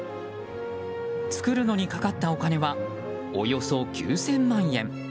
作るのにかかったお金はおよそ９０００万円。